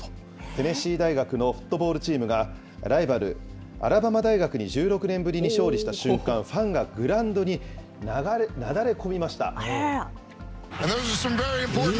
テネシー大学のフットボールチームが、ライバル、アラバマ大学に１６年ぶりに勝利した瞬間、ファンがグラウンドになだれ込みました。